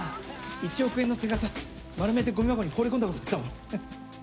１億円の手形丸めてゴミ箱に放り込んだ事あったもん。